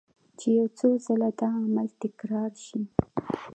چې يو څو ځله دا عمل تکرار شي